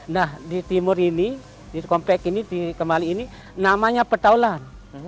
nah di timur ini di komplek ini di kembali ini namanya petaulan